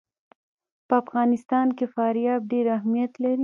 په افغانستان کې فاریاب ډېر اهمیت لري.